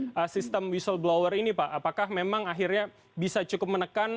dengan sistem whistleblower ini pak apakah memang akhirnya bisa cukup menekan